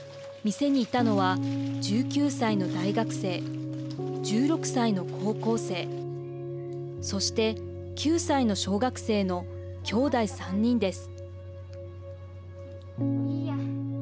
店にいたのは、１９歳の大学生１６歳の高校生そして、９歳の小学生のきょうだい３人です。